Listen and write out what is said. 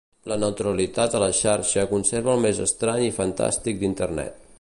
La neutralitat a la xarxa conserva el més estrany i fantàstic d'Internet.